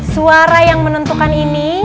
suara yang menentukan ini